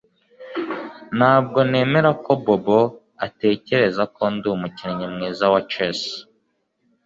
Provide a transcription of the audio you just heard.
Ntabwo nemera ko Bobo atekereza ko ndi umukinnyi mwiza wa chess